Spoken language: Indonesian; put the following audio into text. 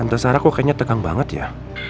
tante sarah kok kayaknya tegang banget ya